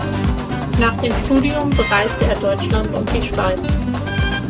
Nach dem Studium bereiste er Deutschland und die Schweiz.